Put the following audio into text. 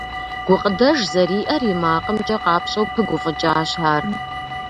Гукъыдэж зэриӀэр и макъымкӀэ къапщӀэу пыгуфӀыкӀащ ар.